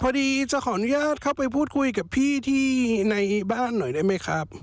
พอดีจะขออนุญาตเข้าไปพูดคุยกับพี่ที่ในบ้านหน่อยได้ไหมครับ